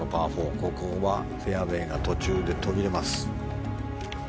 ここはフェアウェーが途中で途切れます。